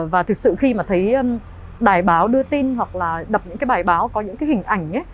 và thực sự khi mà thấy đài báo đưa tin hoặc là đập những cái bài báo có những cái hình ảnh